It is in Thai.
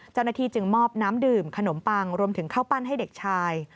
เจ้าหน้าที่จึงมอบน้ำดื่มขนมปังรวมถึงข้าวปั้นให้เด็กชาย